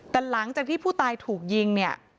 แต่หลังจากที่ผู้ตายถูกยิงเนี่ย